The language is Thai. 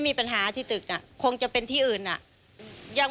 มีคลอดใหม่ไหม